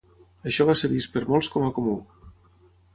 Això va ser vist per molts com a comú.